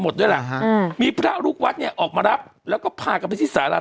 หมดด้วยแหละมีพระรุกวัดเนี่ยออกมารับแล้วก็พากลับไปที่สาระ